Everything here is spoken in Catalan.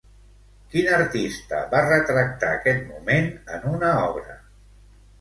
Quin artista va retractar aquest moment en una obra?